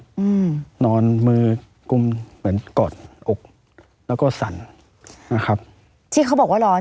อืมนอนมือกุมเหมือนกอดอกแล้วก็สั่นนะครับที่เขาบอกว่าร้อน